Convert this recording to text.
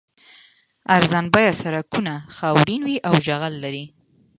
ارزان بیه سړکونه خاورین وي او جغل لري